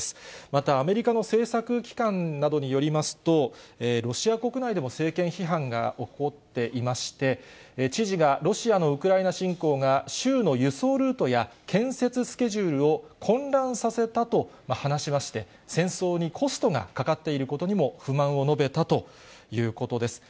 またアメリカの政策機関などによりますと、ロシア国内でも政権批判が起こっていまして、知事がロシアのウクライナ侵攻が州の輸送ルートや建設スケジュールを混乱させたと話しまして、戦争にコストがかかっていることにも不満を述べたということです。